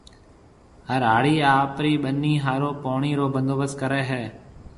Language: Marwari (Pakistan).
هر هاڙِي آپرِي ٻنِي هاورن پوڻِي رو بندوبست ڪريَ هيَ۔